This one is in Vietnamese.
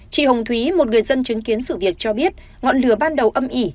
chị hồng thúy một người dân chứng kiến sự việc cho biết ngọn lửa ban đầu âm ỉ